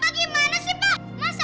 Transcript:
apa gimana seh pak